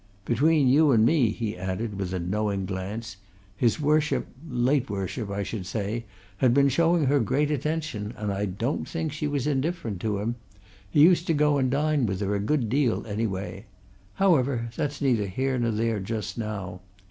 Between you and me," he added, with a knowing glance, "his Worship late Worship, I should say had been showing her great attention, and I don't think she was indifferent to him he used to go and dine with her a good deal anyway. However, that's neither here nor there, just now.